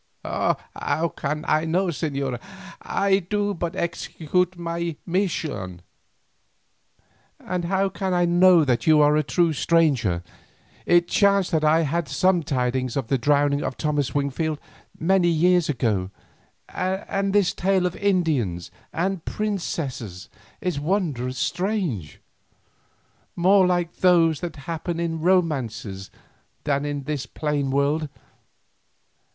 "How can I know, señora? I do but execute my mission." "And how can I know that you are a true messenger. It chanced that I had sure tidings of the drowning of Thomas Wingfield many years ago, and this tale of Indians and princesses is wondrous strange, more like those that happen in romances than in this plain world.